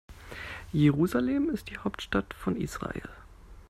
Jerusalem ist die Hauptstadt von Israel.